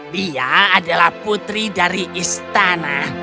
dia adalah putri dari istana